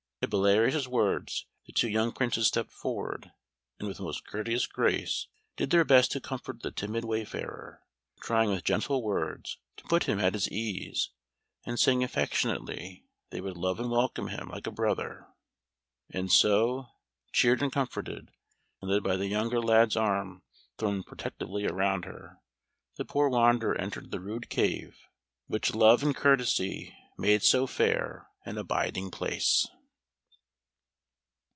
At Belarius's words the two young Princes stepped forward, and with the most courteous grace did their best to comfort the timid wayfarer, trying with gentle words to put him at his ease, and saying affectionately they would love and welcome him like a brother. And so, cheered and comforted, and led by the younger lad's arm thrown protectingly around her, the poor wanderer entered the rude cave, which love and courtesy made so fair an abiding place.